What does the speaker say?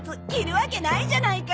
わけないじゃないか。